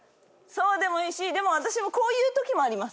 そうでもいいしでも私もこういうときもあります。